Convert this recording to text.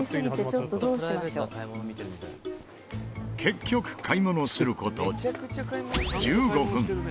結局、買い物する事１５分